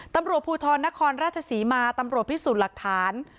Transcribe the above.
ตำรวจภูทรนครราชศรีมาตำรวจพิสูจน์หลักฐาน